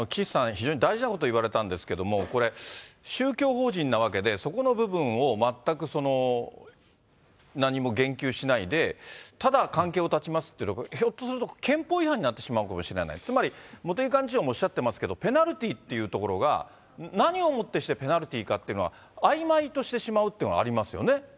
非常に大事なこと言われたんですけれども、これ、宗教法人なわけで、そこの部分を全く何も言及しないで、ただ関係を断ちますっていうの、ひょっとすると憲法違反になってしまうかもしれない、つまり茂木幹事長もおっしゃってますけど、ペナルティーっていうところが何をもってしてペナルティーかっていうところをあいまいとしてしまうというのがありますよね。